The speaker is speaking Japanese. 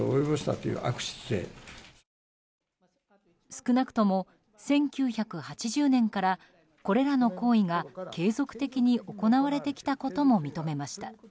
少なくとも１９８０年からこれらの行為が継続的に行われてきたことも認めました。